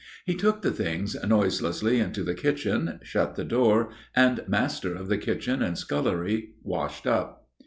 He took the things noiselessly into the kitchen, shut the door, and master of the kitchen and scullery washed up.